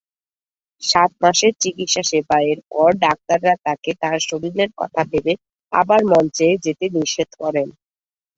সাত মাসের চিকিৎসা সেবা এর পর, ডাক্তাররা তাকে তার শরীরের কথা ভেবে আবার মঞ্চে যেতে নিষেধ করেন।